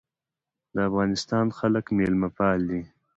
د افغانستان خلک میلمه پال دي